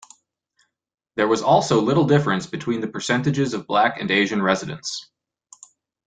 There was also little difference between the percentages of black and Asian residents.